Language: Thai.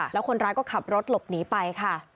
แล้วคนร้ายก็ขับรถหลบหนีไปค่ะ